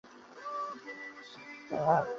赖歇瑙被葬于柏林荣军公墓。